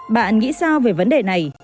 bạn nghĩ sao về vấn đề này